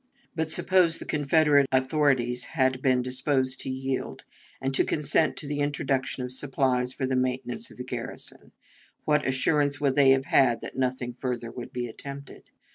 But, suppose the Confederate authorities had been disposed to yield, and to consent to the introduction of supplies for the maintenance of the garrison, what assurance would they have had that nothing further would be attempted?